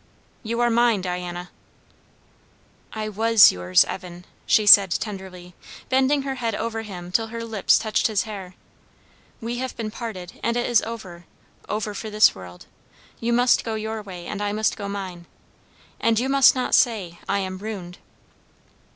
"You are mine, Diana." "I was yours, Evan!" she said tenderly, bending her head over him till her lips touched his hair. "We have been parted, and it is over over for this world. You must go your way, and I must go mine. And you must not say, I am ruined."